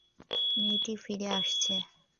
মেয়েটি ফিরে আসছে।